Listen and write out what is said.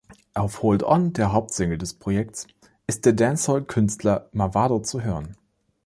Auf „Hold On“, der Hauptsingle des Projekts, ist der Dancehall-Künstler Mavado zu hören.